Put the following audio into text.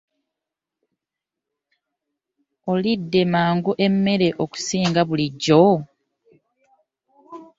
Olidde mangu emmere okusinga bulijjo!